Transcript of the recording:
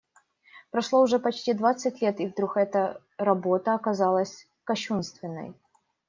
Прошло уже почти двадцать лет, и вдруг эта работа оказалась кощунственной.